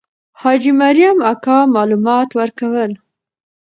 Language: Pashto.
حاجي مریم اکا معلومات ورکول.